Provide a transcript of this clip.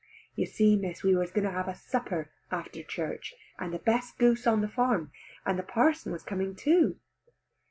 You see, Miss, we was going to have a supper after church, and the best goose on the farm, and the parson was coming too.